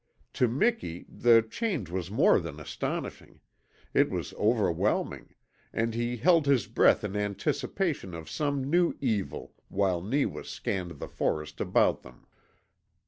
To Miki the change was more than astonishing; it was overwhelming, and he held his breath in anticipation of some new evil while Neewa scanned the forest about them.